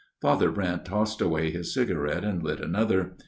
Father Brent tossed away his cigarette and lit another.